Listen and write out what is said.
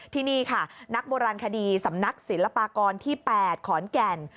ที่นี่ค่ะนักโบราณคดีสำนักศิลปากรที่๘ขอนแก่น